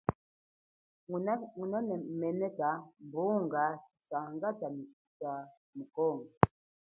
Nameneka bunga tshisaka cha mu Congo.